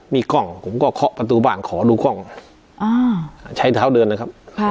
มีกล้องผมก็เคาะประตูบ้านขอดูกล้องใช้เท้าเดินนะครับ